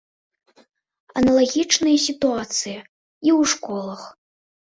Аналагічная сітуацыя і ў школах.